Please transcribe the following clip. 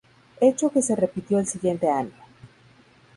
Hecho que se repitió el siguiente año.